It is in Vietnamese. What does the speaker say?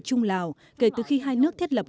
chung lào kể từ khi hai nước thiết lập